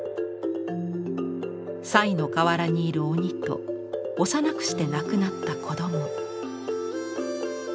賽の河原にいる鬼と幼くして亡くなった子ども。